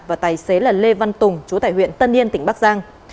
và tài xế là lê văn tùng chú tại huyện tân yên tỉnh bắc giang